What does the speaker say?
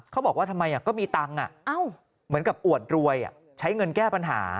เขาบอกว่าทำไมก็มีตังค์เหมือนกับอวดรวยใช้เงินแก้ปัญหา